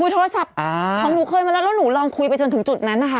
โทรศัพท์ของหนูเคยมาแล้วแล้วหนูลองคุยไปจนถึงจุดนั้นนะคะ